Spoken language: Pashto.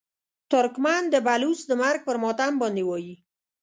ترکمن د بلوڅ د مرګ پر ماتم باندې وایي.